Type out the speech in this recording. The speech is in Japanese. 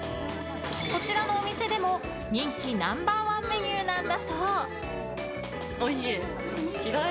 こちらのお店でも人気ナンバー１メニューなんだそう。